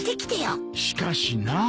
しかしなあ。